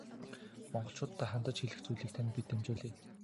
Монголчууддаа хандаж хэлэх зүйлийг тань бид дамжуулъя.